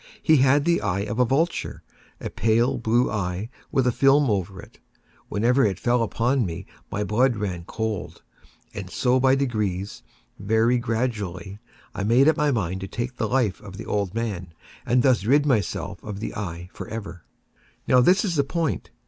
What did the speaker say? He had the eye of a vulture—a pale blue eye, with a film over it. Whenever it fell upon me, my blood ran cold; and so by degrees—very gradually—I made up my mind to take the life of the old man, and thus rid myself of the eye forever. Now this is the point.